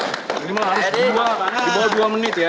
minimal harus dua dibawah dua menit ya